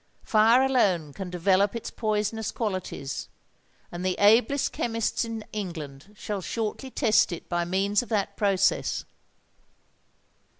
Fire alone can develope its poisonous qualities; and the ablest chemists in England shall shortly test it by means of that process!"